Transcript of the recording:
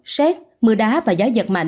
xét mưa đá và gió giật mạnh